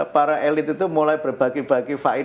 para elit itu mulai berbagi bagi faid